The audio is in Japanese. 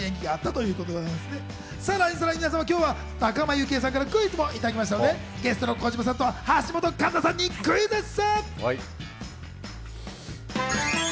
さらに皆様今日は仲間由紀恵さんからクイズをいただきましたので、ゲストの児嶋さんと橋本環奈さんにクイズッス！